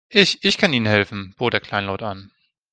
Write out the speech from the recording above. Ich, ich kann Ihnen helfen, bot er kleinlaut an.